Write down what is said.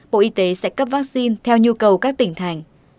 bộ y tế sẽ cấp vaccine theo nhu cầu các tỉnh thành